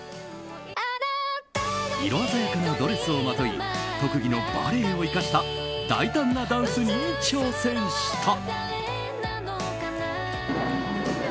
色鮮やかなドレスをまとい特技のバレエを生かした大胆なダンスに挑戦した。